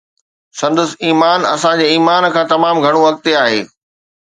سندس ايمان اسان جي ايمان کان تمام گهڻو اڳتي آهي